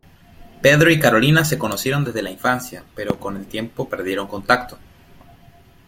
Pedro y Carolina se conocieron desde la infancia, pero con el tiempo perdieron contacto.